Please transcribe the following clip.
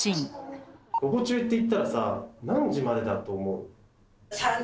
午後中って言ったらさ何時までだと思う？